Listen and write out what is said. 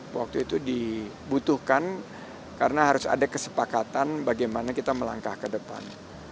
waktu itu dibutuhkan karena harus ada kesepakatan bagaimana kita melangkah ke depan